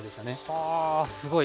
はあすごい。